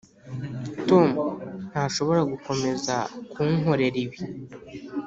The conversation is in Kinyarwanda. tom ntashobora gukomeza kunkorera ibi.